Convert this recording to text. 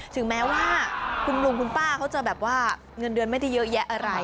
ถึงแม้ว่าคุณลุงคุณป้าเขาจะแบบว่าเงินเดือนไม่ได้เยอะแยะอะไร